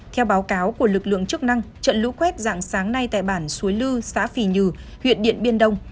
theo báo cáo của lực lượng chức năng trận lũ quét dạng sáng nay tại bản suối lư xã phì nhừ huyện điện biên đông